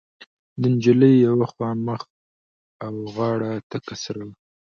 د نجلۍ يوه خوا مخ او غاړه تکه سره وه.